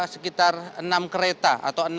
sekitar enam kereta atau